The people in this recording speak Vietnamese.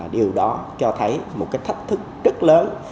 điều đó cho thấy một cái thách thức rất lớn